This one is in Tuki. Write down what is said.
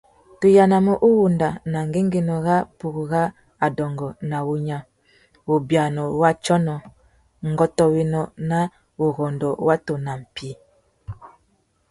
Tu yānamú uwanda nà ngüéngüinô râ purú râ adôngô nà wunya, wubia wa tsônô, ngôtōénô na wurrôndô watu nà mpí.